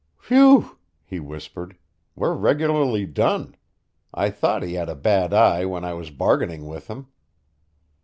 "Whew!" he whispered, "we're regularly done. I thought he had a bad eye when I was bargaining with him."